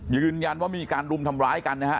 ยืนยันว่ามีการรุมทำร้ายกันนะฮะ